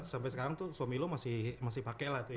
sampai sekarang tuh suami lo masih pake lah tuh ya